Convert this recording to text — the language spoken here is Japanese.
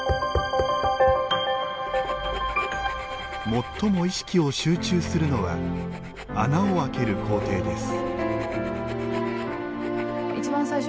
最も意識を集中するのは穴を開ける工程です。